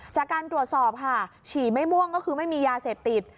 จากการตรวจสอบค่ะฉี่ไม่ม่วงก็คือไม่มียาเสพติด